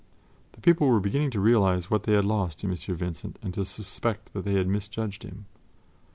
The people were beginning to realize what they had lost in M. Vincent and to suspect that they had misjudged him.